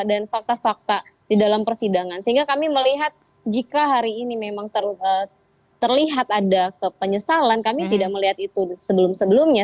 dan fakta fakta di dalam persidangan sehingga kami melihat jika hari ini memang terlihat ada penyesalan kami tidak melihat itu sebelum sebelumnya